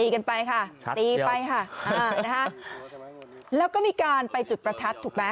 กันไปค่ะตีไปค่ะอ่านะคะแล้วก็มีการไปจุดประทัดถูกไหม